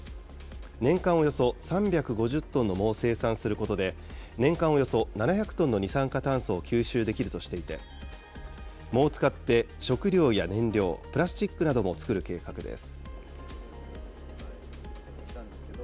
年間およそ３５０トンの藻を生産することで、年間およそ７００トンの二酸化炭素を吸収できるとしていて、藻を使って食料や燃料、プラスチックなども作る計画です。